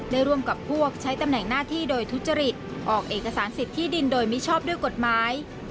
ร่วมกับพวกใช้ตำแหน่งหน้าที่โดยทุจริตออกเอกสารสิทธิดินโดยมิชอบด้วยกฎหมาย